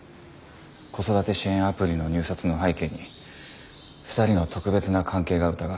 子育て支援アプリの入札の背景に２人の特別な関係が疑われる。